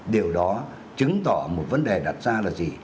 điều đó chứng tỏ một vấn đề đặt ra là gì